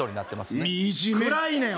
みじめ暗いねん！